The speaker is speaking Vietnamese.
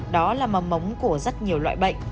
đó là mầm mống của rất nhiều loại bệnh